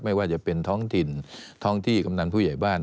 ไม่ว่าจะเป็นท้องถิ่นท้องที่กำนันผู้ใหญ่บ้าน